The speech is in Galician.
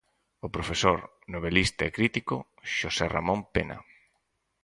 O profesor, novelista e crítico Xosé Ramón Pena.